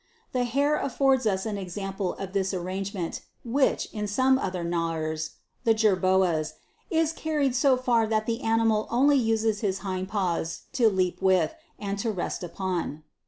The hare affords us an example of this arrange ment, which, in some other gnawers, (the Jerboas,) is carried so far that the animal only uses his hind paws to leap with, and to rest upon.